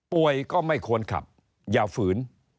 ก็ไม่ควรขับอย่าฝืน